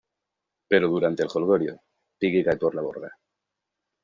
Pero durante el jolgorio, Piggy cae por la borda.